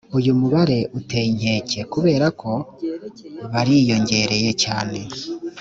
uyu mubare uteye inkeke kubera ko bariyongereye cyane